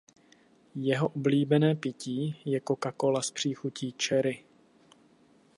Jeho oblíbené pití je Coca Cola s příchutí Cherry.